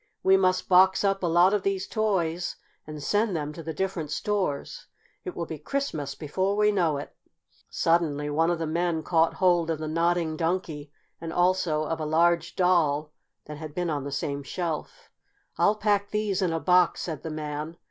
"We must box up a lot of these toys and send them to the different stores. It will be Christmas before we know it." Suddenly one of the men caught hold of the Nodding Donkey, and also of a large doll that had been on the same shelf. "I'll pack these in a box," said the man.